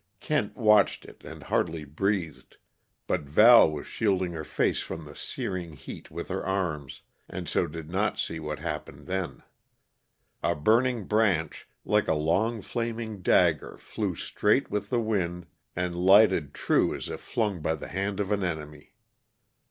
Kent watched it and hardly breathed, but Val was shielding her face from the searing heat with her arms, and so did not see what happened then. A burning branch like a long, flaming dagger flew straight with the wind and lighted true as if flung by the hand of an enemy.